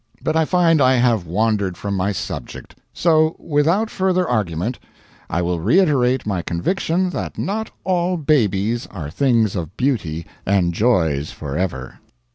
But I find I have wandered from my subject; so, without further argument, I will reiterate my conviction that not all babies are things of beauty and joys forever.